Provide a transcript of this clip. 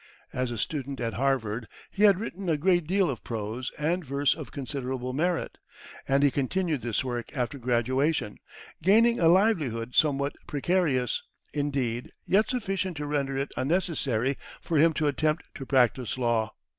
As a student at Harvard, he had written a great deal of prose and verse of considerable merit, and he continued this work after graduation, gaining a livelihood somewhat precarious, indeed, yet sufficient to render it unnecessary for him to attempt to practice law.